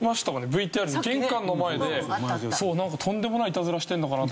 ＶＴＲに玄関の前でとんでもないイタズラしてるのかなと。